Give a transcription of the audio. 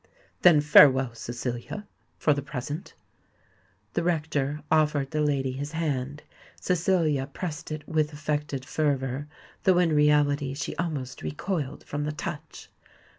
"Then farewell, Cecilia, for the present." The rector offered the lady his hand: Cecilia pressed it with affected fervour, though in reality she almost recoiled from the touch.